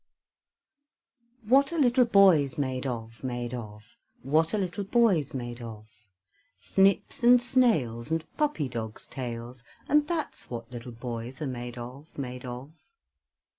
What are little boys made of, made of? What are little boys made of? Snips and snails, and puppy dogs' tails; And that's what little boys are made of, made of.